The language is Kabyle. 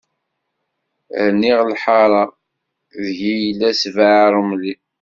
Rniɣ lḥara, deg i yella sbeɛ aṛemli.